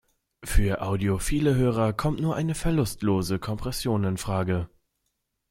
Für audiophile Hörer kommt nur eine verlustlose Kompression infrage.